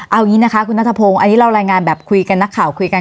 เอาอย่างนี้นะคะคุณนัทพงศ์อันนี้เรารายงานแบบคุยกันนักข่าวคุยกัน